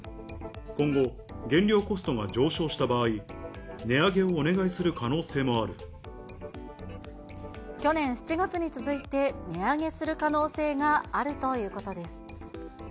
今後、原料コストが上昇した場合、去年７月に続いて、値上げする可能性があるということです。